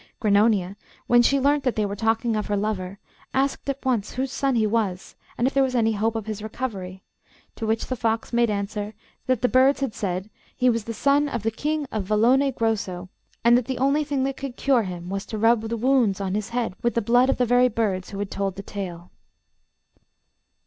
Grannonia, when she learnt that they were talking of her lover, asked at once whose son he was, and if there was any hope of his recovery; to which the fox made answer that the birds had said he was the son of the King of Vallone Grosso, and that the only thing that could cure him was to rub the wounds on his head with the blood of the very birds who had told the tale.